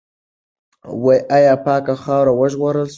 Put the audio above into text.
آیا پاکه خاوره وژغورل سوه؟